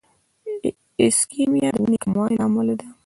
د ایسکیمیا د وینې کموالي له امله ده.